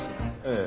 ええ。